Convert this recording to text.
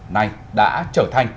này đã trở thành